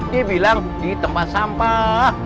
dia bilang di tempat sampah